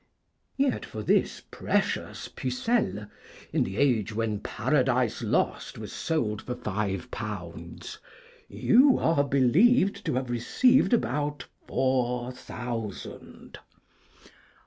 Yet for this precious 'Pucelle,' in the age when 'Paradise Lost' was sold for five pounds, you are believed to have received about four thousand.